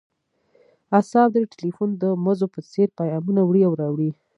اعصاب د ټیلیفون د مزو په څیر پیامونه وړي او راوړي